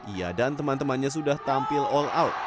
ia dan teman temannya sudah tampil all out